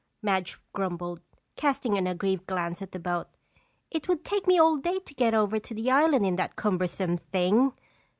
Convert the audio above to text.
Madge grumbled, casting an aggrieved glance at the boat. "It would take me all day to get over to the island in that cumbersome thing!"